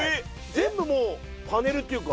全部もうパネルっていうか。